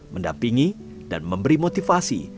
mendampingi dan memberi motivasi